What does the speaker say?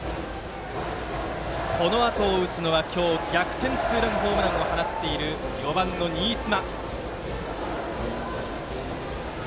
このあとを打つのが今日逆ツーランホームランを打っている４番の新妻。